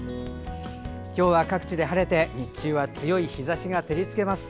今日は各地で晴れて、日中は強い日ざしが照りつけます。